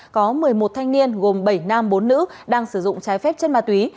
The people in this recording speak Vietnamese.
có một mươi một thanh niên gồm bảy nam bốn nữ đang sử dụng trái phép chất ma túy